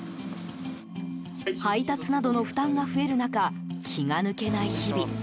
配達などの負担が増える中気が抜けない日々。